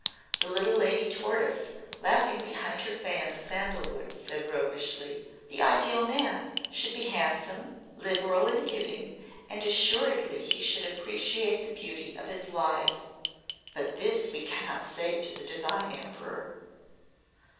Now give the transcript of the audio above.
The little Lady Tortoise, laughing behind her fan of sandalwood, said roguishly: "The Ideal Man should be handsome, liberal in giving, and assuredly he should appreciate the beauty of his wives. But this we cannot say to the Divine Emperor."